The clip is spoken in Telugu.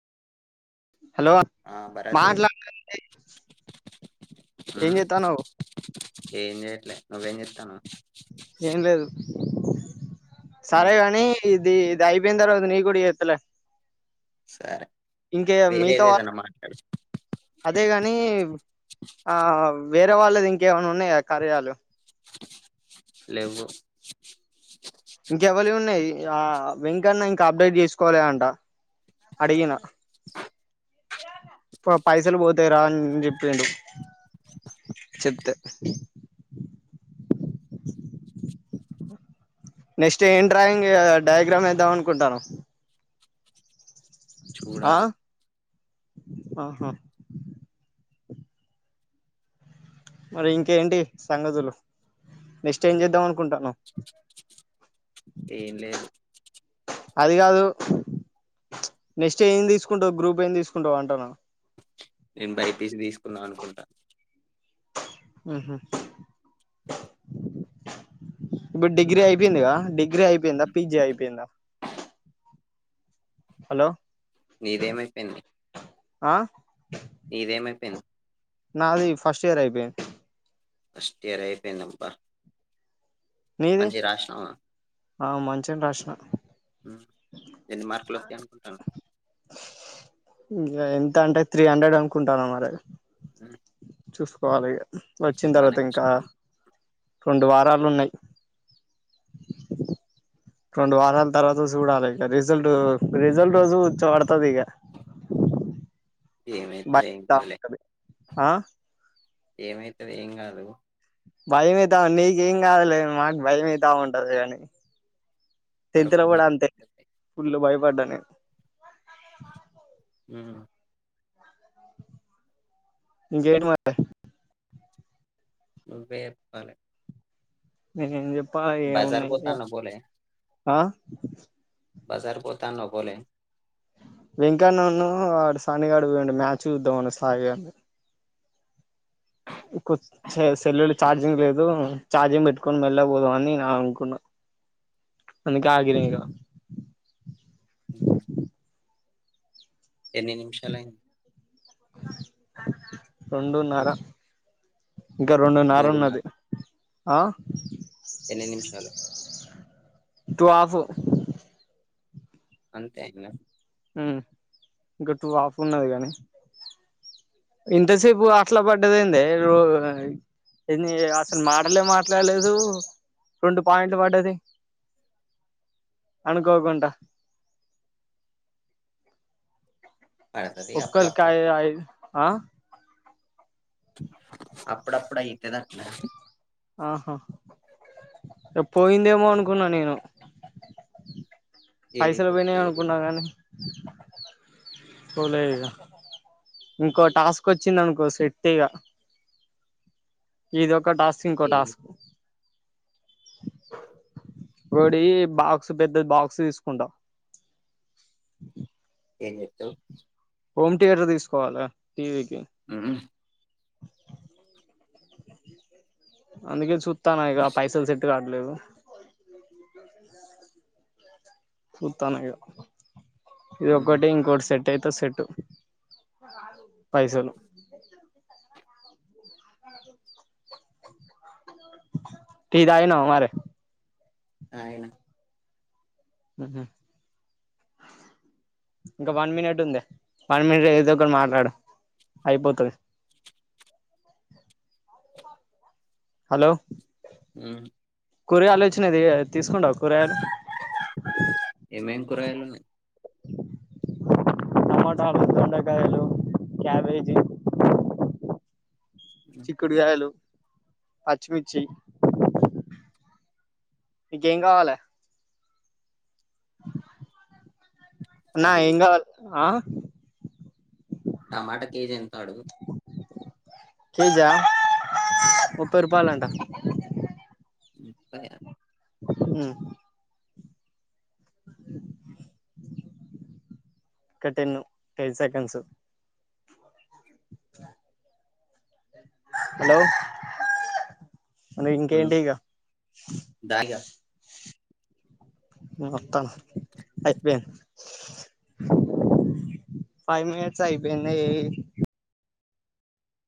హలో ఆ భరతు మాట్లా [unintelligible] ఏం ఉమ్ చెత్తన్నావు ఏం చెయ్యట్లే నువ్వేం చెత్తన్నావు ఏం లేదు సరే ఉమ్ కాని ఇ ది ఇది అయిపోయిన తర్వాత నీకు కూడా చెత్తలే సరే ఇంకే మీతో వేరేది ఏదన్నా మాట్లాడు అదేగాని ఆ వేరే వాళ్ళది ఇంకేమనా ఉన్నాయా కార్యా లో లెవ్వు ఇగ వెంకన్న ఇంకా అప్డేట్ చేసుకోలే అంట అడిగిన పైసలు పోతాయి రా అన్ చెప్పిండు చెప్తే నెక్స్ట్ ఏం డ్రాయింగ్ డయాగ్రామ్ వేద్దాం అనుకుంటన్నవ చూడాలె ఆహా మరి ఇంకేంటి సంగతులు నెక్స్ట్ ఏం చేద్దాం అనుకుంటానవ్ ఎం లేదు అది గాదు నెక్స్ట్ ఏం తీసుకుంటావు గ్రూప్ ఏం తీసుకుంటావ్ అంటన నేను బైపీసి తీసుకుందాం అనుకుంట ఉహ్మ ఇప్పుడు డిగ్రీ అయిపోయిందిగా డిగ్ డిగ్రీ అయిపోయిందా ఉమ్, పిజి అయిపోయిందా హలో నీదేమైపోయింది ఆ ఎదేమైపోయింది నాది ఫస్ట్ ఇయర్ అయిపోయింది ఫస్ట్ ఇయర్ అయిపోయింది అబ్బ నీది మంచిగ రాష్ణవ ఆ మంచిం రష్ణా మ్మ్ ఎన్ని మార్కులు వత్తయి అనుకుంటాను తాంటే త్రీ హండ్రెడ్ అనుకుంటన్న మరి ఆ చూసుకోవాలి ఇగ వచ్చిన తర్వాత ఇంకా రెండు వా సార్లు ఉన్నాయి రెండు వారాల తర్వాత చూడాలి. ఇక రిజల్ట్ రిజల్ట్ రోజు కూచో పడుతది ఇక. ఏమైతది ఏం [unintelligible] ఆ ఏమైతుంది ఏం కాదు. భయమయాతుంది, నీకేం కాదులే మాకు భయమవుతా ఉంటది కాని తంతర వరకు నీ కూడాడ అంతే ఫులు బా వడ్డనే అ ఇక ఏడు మట ను్వే పాల నిజం చెప్పు ప్ప ఏ ఉన్నాయిక పోతాన్నావ్ ఆ బజారుకు పోతన్నవ్ పోలె వెంకన్న వాడు, సన్ని గాడు పోడు మ్యాచ్ చూద్దాం సాయిగాని సెల్లలు చార్జింగ్ లేదు. చార్జింగ్ పెట్టుకుని మెళ్లగ పోదాంని అనుకున్నా. అందుకి ఆగలేయింకా ఉమ్ ఉమ్. ఎన్ని నిమిషాలయింది. [unintelligible] ఆ రెండున్నర ఇంకా రెండున్నర ఉన్నది. మూడున్నర ఆ ఎన్ని నిమిషాలు టూ హాఫ్ అంతే అయినా ఇంక టటు ఆఫ్ ఉన్నది కాగానీ ఇంతసేపు అట్లా పడ్డద అంది. అసలు మాటలే మాట్లాడలేదు రెండు పాయింట్లు పడ్డది అనుకోకుండా. పడతది అప్పుడప్పుడు ఒకరకై అట్లా ఆ అప్పుడప్పుడు అయితదట్ల ఆహా, రేపు పోయిందేమో అనుకున్నా నేను. పైసలు పోయినా ఏడిపోతది ఏడి అనుకున్నా కానీ. పోలాయిగా, ఇంకో టాస్క్ వచ్చిందినుకో సెట్టేయిగా ఇదొక్క ఒకటాస్క్, ఏం ఇంకోటాస్క్ ఒకటి బాక్స్, పెద్దది బాక్స్ తీసుకుంటా. ఎంచెత్తవ్ హోమ్ థియేటర్ తీసుకోవాలే టీవీకి ఉమ్ అందుకే చూ త్ చూస్తున్న ఇగ పైసలు సెట్ తే రావట్లేదు సూత్తన్న ఇగ ఉమ్ ఇదోక్కటి, ఇంకోటి సెట్ తేతే సెట్టు, పైసలు టీ తాగినావ మరి తాగిన హ్మ్ హు ఇంకా వన్ మినిట్ ఉంది వన్ మినిట్ ఏదో ఒక మాట్లాడు అయిపోతది హలో మ్మ్ కూరగాయలు వచ్చినది తీసుకుంటవ కూరగాయలు ఏమేం కూరగాయలున్నాయి టమాటలు, దొండకాయలు, క్యాబేజీ చిక్కుడుగాయలు పచ్చిమిర్చి నీకేం కావాలే అన్నా అవి ఏం కావాలే, ఆ టమాటా కేజీ ఎంత అడుగు? కేజా ముప్పై రూపాయలంట ముప్పై ఆ హ్మ్ ఒక టెన్ను టెన్ సెకండ్స్ హలో అరె ఉమ్ ఇంకేంటిగ దా ఇగ ఆతన్న అయిపోయింది ఫైవ్ మినిట్స్ ఐపోయింది